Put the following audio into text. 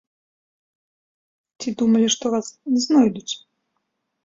Ці думалі, што вас не знойдуць?